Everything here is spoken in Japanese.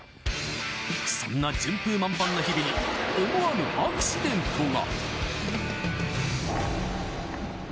そんな順風満帆な日々に思わぬアクシデントが。